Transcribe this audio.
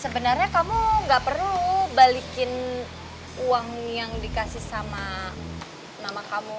sebenarnya kamu gak perlu balikin uang yang dikasih sama kamu